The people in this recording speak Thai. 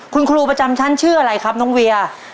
คุณครูประจำชั้นชื่ออะไรครับน้องเวีย